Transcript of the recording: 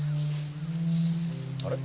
あれ？